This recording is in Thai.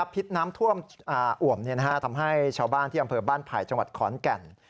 น้ำท่วมอ่วมทำให้ชาวบ้านที่อำเภอบ้านไผ่จังหวัดขอนแก่น